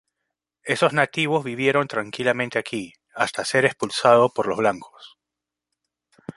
Esos nativos vivieron tranquilamente aquí, hasta ser expulsados por los blancos.